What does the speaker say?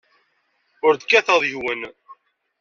Ur d-kkateɣ deg-wen.